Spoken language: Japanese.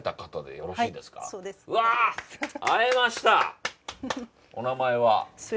うわっ会えましたお名前は？